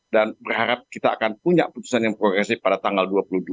dan berharap kita akan punya putusan yang progresif pada tanggal dua puluh dua